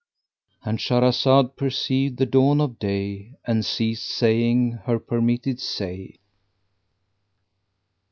"—And Shahrazad perceived the dawn of day and ceased saying her permitted say.